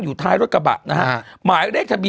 อูหนิไม่ใช่